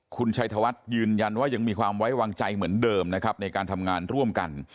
คุณชัยธวัฒน์ยืนยันว่ายังมีความไว้วางใจเหมือนเดิมนะครับในการทำงานร่วมกัน